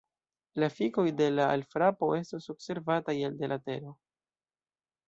La efikoj de la alfrapo estos observataj elde la Tero.